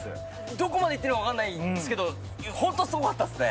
どこまで言っていいのか分からないですけど、本当、すごかったっすね。